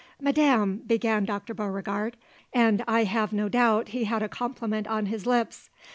"Madam " began Dr. Beauregard, and I have no doubt he had a compliment on his lips.